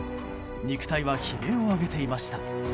肉体は悲鳴を上げていました。